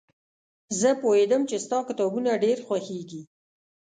زه پوهېدم چې ستا کتابونه ډېر خوښېږي.